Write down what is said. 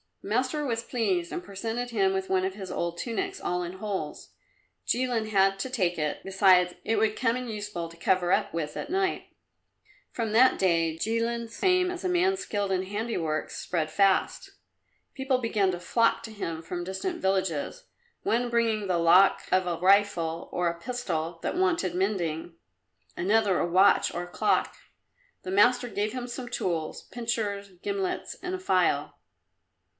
The master was pleased and presented him with one of his old tunics, all in holes. Jilin had to take it, besides, it would come in useful to cover up with at night. From that day Jilin's fame as a man skilled in handiworks spread fast. People began to flock to him from distant villages, one bringing the lock of a rifle or a pistol that wanted mending; another a watch or a clock. The master gave him some tools pincers, gimlets and a file.